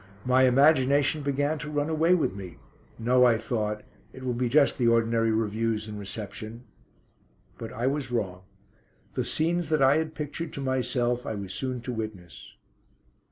My imagination began to run away with me. No, I thought, it will be just the ordinary reviews and reception. But I was wrong. The scenes that I had pictured to myself I was soon to witness.